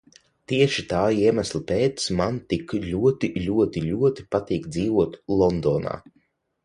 Tieši tā iemesla pēc man tik ļoti, ļoti, ļoti patīk dzīvot Londonā.